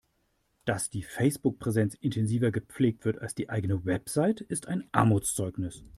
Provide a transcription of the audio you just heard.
Dass die Facebook-Präsenz intensiver gepflegt wird als die eigene Website, ist ein Armutszeugnis.